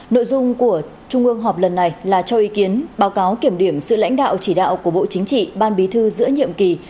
nội dung của trung ương họp lần này là cho ý kiến báo cáo kiểm điểm sự lãnh đạo chỉ đạo của bộ chính trị ban bí thư giữa nhiệm kỳ